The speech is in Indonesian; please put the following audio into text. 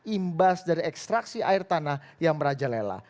imbas dari ekstraksi air tanah yang merajalela